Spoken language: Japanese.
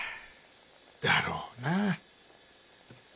だろうな。